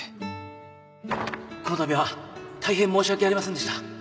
このたびは大変申し訳ありませんでした